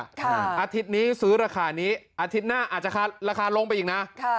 อาทิตย์นี้ซื้อราคานี้อาทิตย์หน้าอาจจะราคาลงไปอีกนะ